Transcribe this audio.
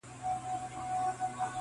په ښار کي دي مسجد هم میکدې لرې که نه,